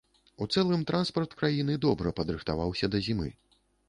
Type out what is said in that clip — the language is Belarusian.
У цэлым транспарт краіны добра падрыхтаваўся да зімы.